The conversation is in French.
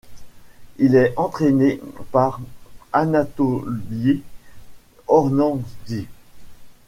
Il est entraîné par Anatoliy Ornandzhy.